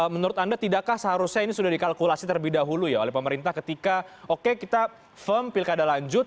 menurut anda tidakkah seharusnya ini sudah dikalkulasi terlebih dahulu ya oleh pemerintah ketika oke kita firm pilkada lanjut